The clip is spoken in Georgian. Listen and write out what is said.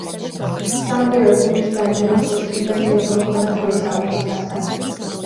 სამაგიეროდ ლუის ძალიან ახლო და თბილი ურთიერთობა ჰქონდა თავის სამ უფროს დასთან.